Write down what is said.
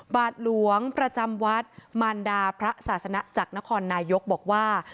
บาทหลวงประจำวัดมารดาพระศาสนะจากนครนายกบอกว่า